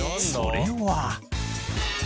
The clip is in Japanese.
それは。